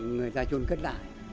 người ta trôn cất lại